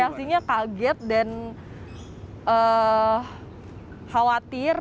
saya aslinya kaget dan khawatir